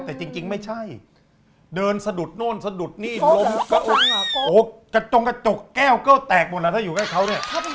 แต่จริงไม่ใช่เดินสะดุดโน่นสะดุดนี่ล้มกระจงกระจกแก้วก็แตกหมดแล้วถ้าอยู่ใกล้เขาเนี่ย